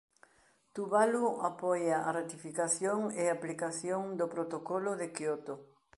Tuvalu apoia a ratificación e aplicación do protocolo de Quioto.